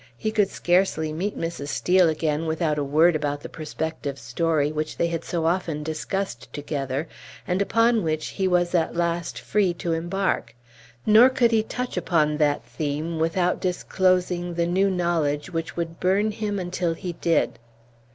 He could scarcely meet Mrs. Steel again without a word about the prospective story, which they had so often discussed together, and upon which he was at last free to embark; nor could he touch upon that theme without disclosing the new knowledge which would burn him until he did.